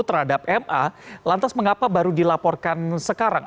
terhadap ma lantas mengapa baru dilaporkan sekarang